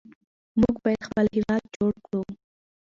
موږ باید خپل هېواد جوړ کړو.